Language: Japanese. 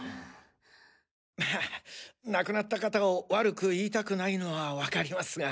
まあ亡くなった方を悪く言いたくないのはわかりますが。